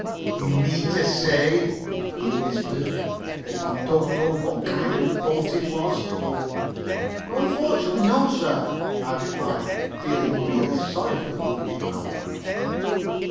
"You mean to say," he whispered, "that you don't know what kind of a boat it was?" "Unfortunately no, sir," I replied, feeling really sorry for the wounded man.